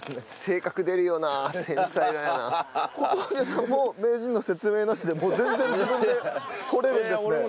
小峠さんも名人の説明なしでもう全然自分で掘れるんですね。